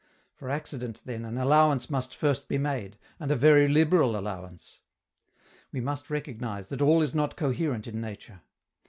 For accident, then, an allowance must first be made, and a very liberal allowance. We must recognize that all is not coherent in nature.